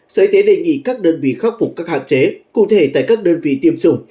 sở y tế đề nghị các đơn vị khắc phục các hạn chế cụ thể tại các đơn vị tiêm chủng